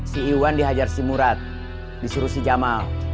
si iwan dihajar si murat disuruh si jamal